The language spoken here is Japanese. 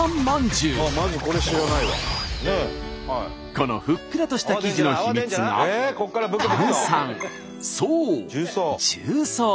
このふっくらとした生地の秘密がうんうん。